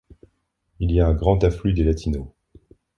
Il y a un grand afflux des latinos.